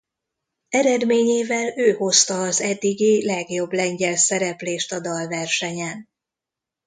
Eredményével ő hozta az eddigi legjobb lengyel szereplést a dalversenyen.